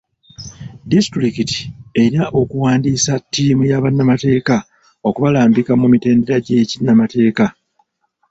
Disitulikiti erina okuwandiisa ttiimu ya bannamateeka okubalambika mu mitendera gy'ekinnamateeka.